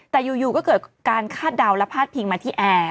แต่อยู่ก็เกิดการคาดเดาและพาดพิงมาที่แอร์